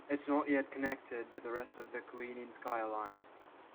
It is not yet connected to the rest of Kalininskaya Line.